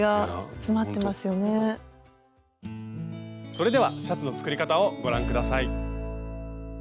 それではシャツの作り方をご覧下さい。